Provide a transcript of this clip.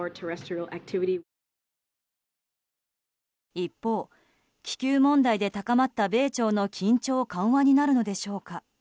一方、気球問題で高まった米朝の緊張緩和になるのでしょうか。